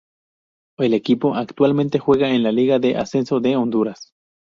El equipo actualmente juega en la Liga de Ascenso de Honduras.